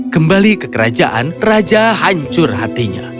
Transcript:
kembali ke kerajaan raja hancur hatinya